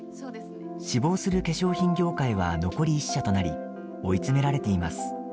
志望する化粧品業界は残り１社となり追い詰められています。